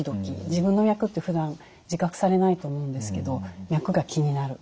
自分の脈ってふだん自覚されないと思うんですけど脈が気になる。